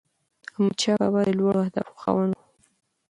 احمدشاه بابا د لوړو اهدافو خاوند و.